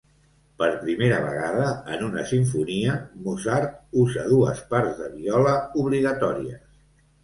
Per primera vegada en una simfonia, Mozart usa dues parts de viola obligatòries.